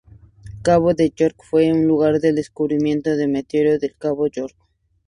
Cabo de York fue el lugar del descubrimiento del meteorito del Cabo York.